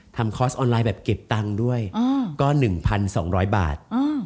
คอร์สออนไลน์แบบเก็บตังค์ด้วยก็๑๒๐๐บาท